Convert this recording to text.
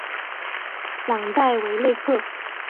朗代韦内克。